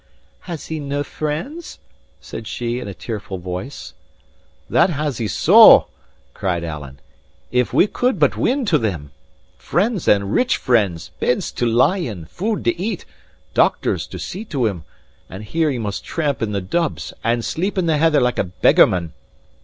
"Has he nae friends?" said she, in a tearful voice. "That has he so!" cried Alan, "if we could but win to them! friends and rich friends, beds to lie in, food to eat, doctors to see to him and here he must tramp in the dubs and sleep in the heather like a beggarman."